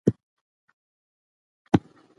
دا نښلونې ژوره مانا لري.